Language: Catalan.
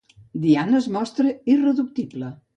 Diana es mostra irreductible.